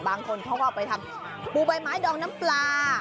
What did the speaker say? บางคนเขาก็ไปทำปูใบไม้ดองน้ำปลา